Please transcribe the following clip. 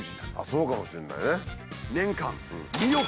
そうかもしれないね。